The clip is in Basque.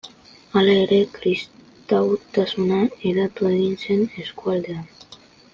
Hala ere kristautasuna hedatu egin zen eskualdean.